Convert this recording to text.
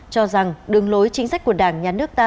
cho rằng đường lối chính sách của đảng nhà nước ta